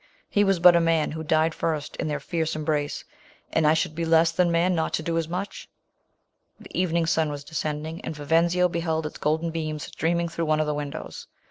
He was but a man who died first iu their fierce embrace ; and I should be less than man not to do as much !" The evening sun was descending, and Vivenzio beheld its golden beams streaming through one of the win dows.